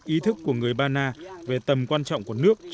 ý thức của người ba na về tầm quan trọng của nước